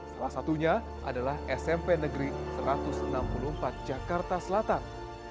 salah satunya adalah smp negeri satu ratus enam puluh empat jakarta selatan